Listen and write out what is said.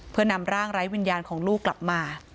เพื่อนำร่างไร้วิญญาณของลูกกลับมา